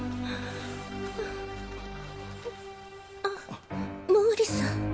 あ毛利さん。